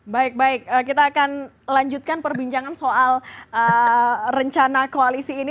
baik baik kita akan lanjutkan perbincangan soal rencana koalisi ini